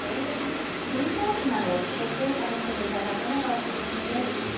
チリソースなどをつけて楽しんでいただくのがおすすめです。